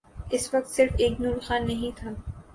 اس وقت صرف ایک نور خان نہیں تھا۔